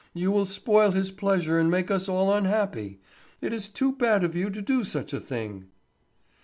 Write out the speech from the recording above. You will spoil his pleasure and make us all unhappy. It is too bad of you to do such a thing."